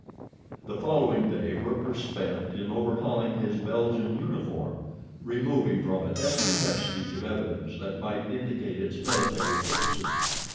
The following day Werper spent in overhauling his Belgian uniform, removing from it every vestige of evidence that might indicate its military purposes.